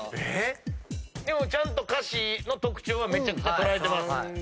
絵もちゃんと歌詞の特徴はめちゃくちゃ捉えてます。